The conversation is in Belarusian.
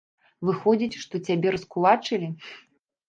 Выходзіць, што цябе раскулачылі?